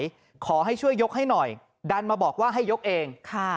ขอให้ช่วยยกให้หน่อยดันมาบอกว่าให้ยกเองค่ะ